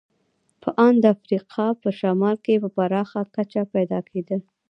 په ان د افریقا په شمال کې په پراخه کچه پیدا کېدل.